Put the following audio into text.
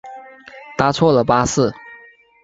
搭错了巴士